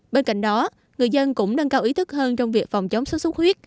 bên cạnh đó người dân cũng nâng cao ý thức hơn trong việc phòng chống sốt xuất huyết